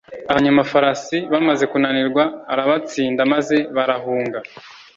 abanyamafarasi bamaze kunanirwa arabatsinda maze barahunga